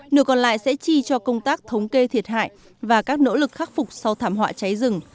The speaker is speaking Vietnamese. nửa còn lại sẽ chi cho công tác thống kê thiệt hại và các nỗ lực khắc phục sau thảm họa cháy rừng